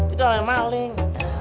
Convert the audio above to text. itu oleh maling